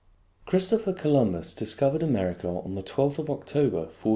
Christopher Columbus discovered America on the 1 2th of October, 1492.